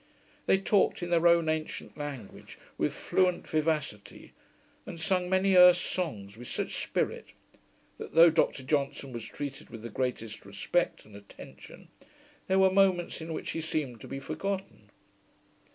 They talked in their own ancient language, with fluent vivacity, and sung many Erse songs with such spirit, that, though Dr Johnson was treated with the greatest respect and attention, there were moments in which he seemed to be forgotten.